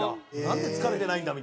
なんで疲れてないんだ？